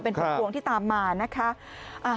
เป็นผลพวงที่ตามมานะคะ